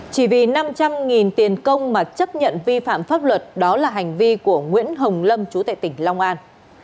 chỉ vì năm trăm linh tiền công mà chấp nhận vi phạm pháp luật đó là hành vi của nguyễn hồng lâm chú tại tỉnh long an